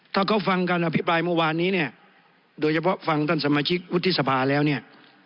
ถ้าเขาฟังการอภิปรายเมื่อวานนี้เนี่ยโดยเฉพาะฟังท่านสมาชิกวุฒิสภาแล้วเนี่ย